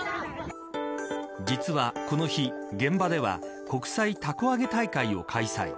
実は、この日現場では国際たこ揚げ大会を開催。